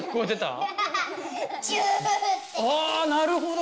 あなるほど。